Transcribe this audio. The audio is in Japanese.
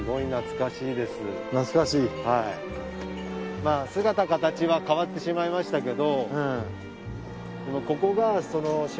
まあ姿形は変わってしまいましたけど。